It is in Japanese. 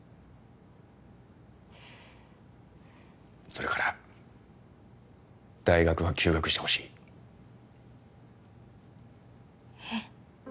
それから大学は休学してほしいえっ